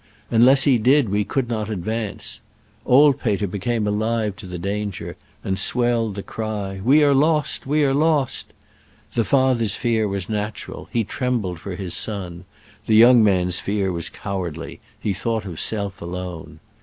Un less he did, we could not advance. Old Peter became alive to the danger, and ROPB BKOKBN ON TUB MATTBKHORN. swelled the cry, "We are lost! we are lost !" The father s fear was natural — he trembled for his son ; the young man's fear was cowardly ^he thought of self alone.